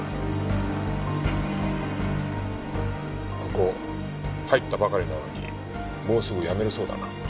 ここ入ったばかりなのにもうすぐ辞めるそうだな。